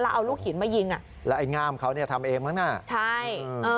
แล้วเอารูกหญิงมายิงอ่ะแล้วไอ้งามเขาเนี้ย